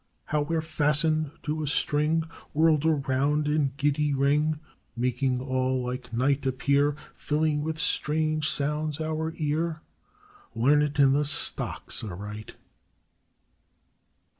How we're fastened to a string, Whirled around in giddy ring, Making all like night appear, Filling with strange sounds our ear? Learn it in the stocks aright!